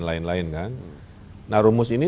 lain lain kan nah rumus ini